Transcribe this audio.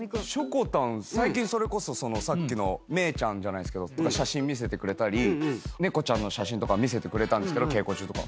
最近それこそさっきのめーちゃんじゃないですけど写真見せてくれたり猫ちゃんの写真とか見せてくれたんですけど稽古中とか。